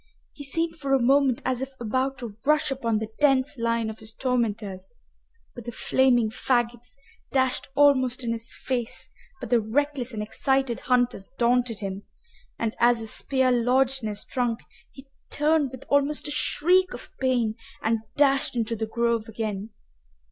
He seemed for a moment as if about to rush upon the dense line of his tormentors, but the flaming faggots dashed almost in his face by the reckless and excited hunters daunted him, and, as a spear lodged in his trunk, he turned with almost a shriek of pain and dashed into the grove again.